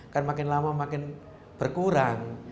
kan makin lama makin berkurang